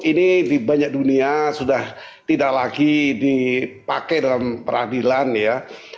ini di banyak dunia sudah tidak lagi dipakai dalam peradilan ya